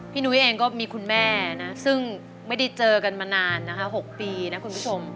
นุ้ยเองก็มีคุณแม่นะซึ่งไม่ได้เจอกันมานานนะคะ๖ปีนะคุณผู้ชม